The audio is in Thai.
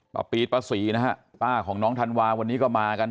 ปี๊ดป้าศรีนะฮะป้าของน้องธันวาวันนี้ก็มากัน